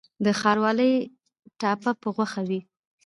د ښاروالۍ ټاپه په غوښه وي؟